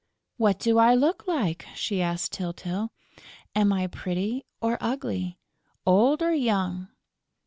"What do I look like?" she asked Tyltyl. "Am I pretty or ugly? Old or young?"